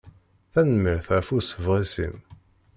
Tanemmirt ɣef usebɣes-im.